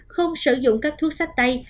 không sử dụng các thuốc sách tay